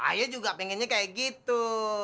ayah juga pengennya kayak gitu